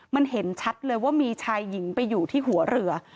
มันเห็นชัดเลยว่ามีชายหญิงไปอยู่ที่หัวเรือ